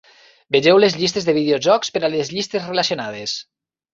Vegeu les llistes de videojocs per a les llistes relacionades.